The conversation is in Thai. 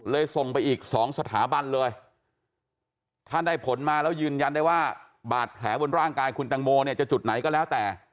ส่งไปอีก๒สถาบันเลยถ้าได้ผลมาแล้วยืนยันได้ว่าบาดแผลบนร่างกายคุณตังโมเนี่ยจะจุดไหนก็แล้วแต่